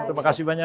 terima kasih banyak